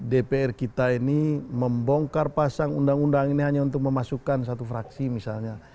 dpr kita ini membongkar pasang undang undang ini hanya untuk memasukkan satu fraksi misalnya